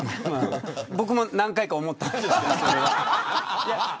僕も何回か思いました。